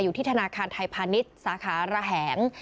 อยู่ที่ธนาคารไทยพาณิชย์สาขาระแหง